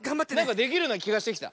できるようなきがしてきた。